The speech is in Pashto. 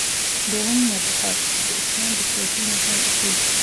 دوهم مبحث : د اسلام د سیاسی نظام اصول